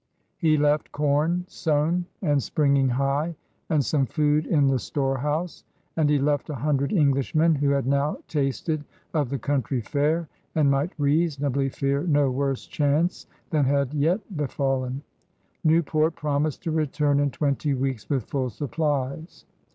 He left com sown and springing high, and some food in the storehouse. And he left a hundred Englishmen who had now tasted of the country fare and might reasonably fear no worse chance than had yet befallen. New port promised to return in twenty weeks with full supplies.